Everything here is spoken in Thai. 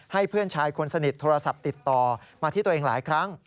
เพื่อนชายคนสนิทโทรศัพท์ติดต่อมาที่ตัวเองหลายครั้ง